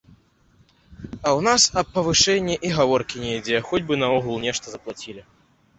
А ў нас аб павышэнні і гаворкі не ідзе, хоць бы наогул нешта заплацілі.